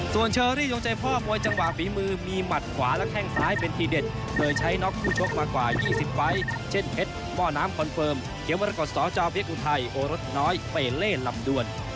ส่วนเชอรี่ดวงใจพ่อมวยจังหวะฝีมือมีหมัดขวาและแข้งซ้ายเป็นทีเด็ดเคยใช้น็อกคู่ชกมากว่า๒๐ไฟล์เช่นเพชรหม้อน้ำคอนเฟิร์มเขียวมรกฏสจเพชรอุทัยโอรสน้อยเปเล่ลำดวน